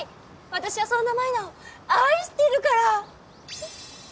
私はそんな舞菜を愛してるから！